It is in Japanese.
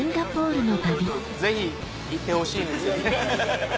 ぜひ行ってほしいんですよね。